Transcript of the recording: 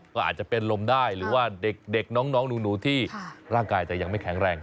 ก็อาจจะเป็นลมได้หรือว่าเด็กน้องหนูที่ร่างกายจะยังไม่แข็งแรง